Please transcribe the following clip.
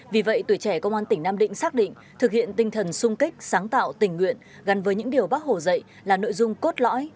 vì vậy tuổi trẻ công an tỉnh nam định xác định thực hiện tinh thần sung kích sáng tạo tình nguyện gắn với những điều bác hồ dạy là nội dung cốt lõi